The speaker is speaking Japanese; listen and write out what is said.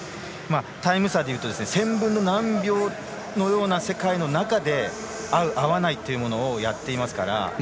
タイム差でいうと１０００分の何秒の世界の中で合う、合わないというものをやっていますから。